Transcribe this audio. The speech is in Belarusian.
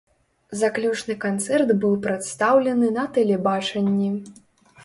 Заключны канцэрт быў прадстаўлены на тэлебачанні.